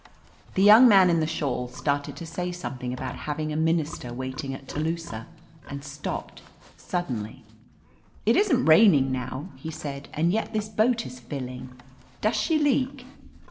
The young man in the shawl started to say something about hav ing a minister waiting at Telusah, and stopped suddenly. "It isn't raining now," he said, "and yet this boat is filling. Does she leak